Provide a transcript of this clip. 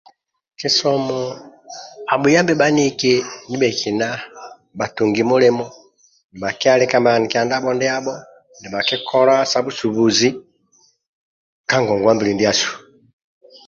Kisomo abhuyambi bhaniki ndibhekina bhatungi milimo nibha kialika bhanikia ndabho ndiabho nibhakikola sa busubuzi ka ngongwa mbili ndiasu